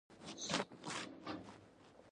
ښېرا؛ سار دې بوره وراره شي!